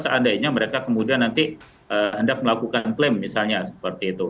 seandainya mereka kemudian nanti hendak melakukan klaim misalnya seperti itu